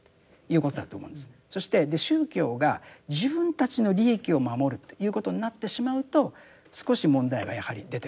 そして宗教が自分たちの利益を守るということになってしまうと少し問題がやはり出てくる。